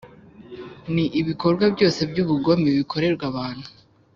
ni ibikorwa byose by’ubugome bikorerwa abantu,